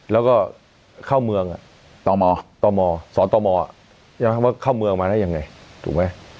แล้วก็เข้าเมืองอ่ะสตมอน์ตมยังไงถูกไหม